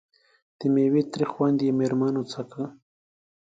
د میوې تریخ خوند یې مېرمنو څکه.